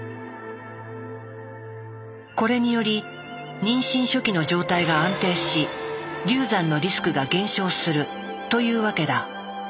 これにより妊娠初期の状態が安定し流産のリスクが減少するというわけだ。